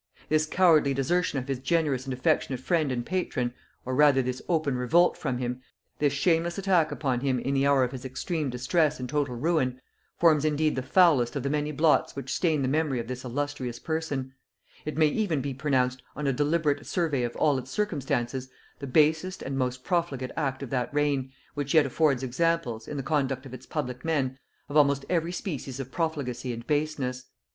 This cowardly desertion of his generous and affectionate friend and patron, or rather this open revolt from him, this shameless attack upon him in the hour of his extreme distress and total ruin, forms indeed the foulest of the many blots which stain the memory of this illustrious person: it may even be pronounced, on a deliberate survey of all its circumstances, the basest and most profligate act of that reign, which yet affords examples, in the conduct of its public men, of almost every species of profligacy and baseness.